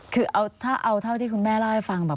คือเอาเท่าที่คุณแม่เล่าให้ฟังบอก